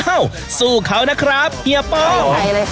สู้เขานะครับเฮียป้อง